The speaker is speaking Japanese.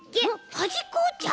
はじっこおっちゃう？